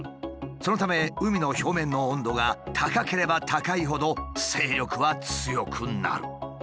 そのため海の表面の温度が高ければ高いほど勢力は強くなる。